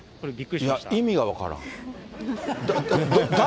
いや、意味が分からん。